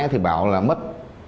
thì bảo là mất